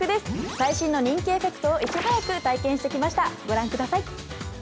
最新の人気エフェクトをいち早く体験してきました。